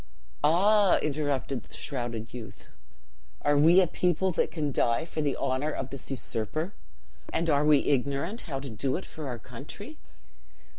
"'Ah!' interrupted the shrouded youth, 'are we a people that can die for the honor of this usurper, and are we ignorant how to do it for our country?